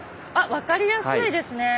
分かりやすいですね。